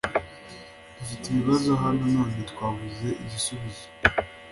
Dufite ibibazo hano none twabuze igisubizo .